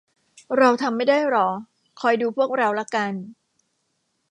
เราทำไม่ได้หรอ คอยดูพวกเราละกัน